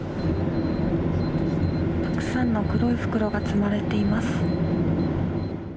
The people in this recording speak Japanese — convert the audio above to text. たくさんの黒い袋が積まれています。